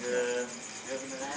terasa begitu sakit dan perbelahan